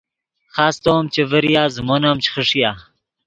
خاستو ام چے ڤریا زیمون ام چے خݰیا